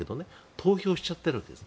投票しちゃっているんです。